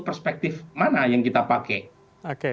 perspektif mana yang kita pakai oke